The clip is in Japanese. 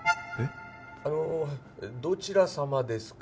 あのどちら様ですか？